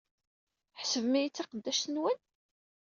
Tḥesbem-iyi d taqeddact-nwen?